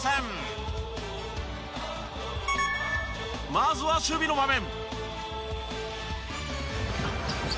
まずは守備の場面。